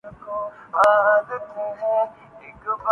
صرف صدر ممنون حسین تھے۔